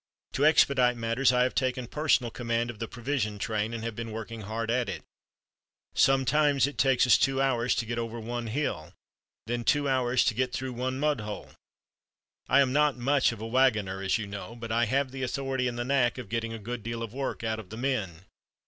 To expedite matters I have taken personal command of the provision train and have been working hard at it. Sometimes it takes us two hours to get over one hill, then two hours to get through one mud hole. I am not much of a wagoner, as you know, but I have the authority and the knack of getting a good deal of work out of the men.